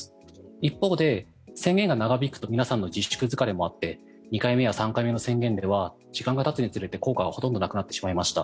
一方で宣言が長引くと皆さんの自粛疲れもあって２回目や３回目の宣言では時間がたつにつれて効果はほとんどなくなってしまいました。